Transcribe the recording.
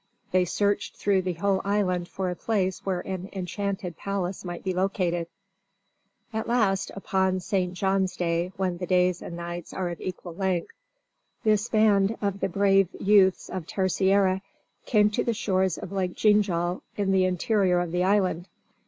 They searched through the whole island for a place where an enchanted palace might be located. At last, upon St. John's Day when the days and nights are of equal length, this band of the brave youths of Terceira came to the shores of Lake Ginjal in the interior of the island.